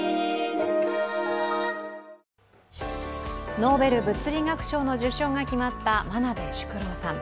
ノーベル物理学賞の受賞が決まった真鍋淑郎さん。